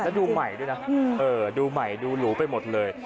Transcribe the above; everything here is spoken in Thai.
แล้วดูใหม่ด้วยนะดูใหม่ดูหรูไปหมดเลย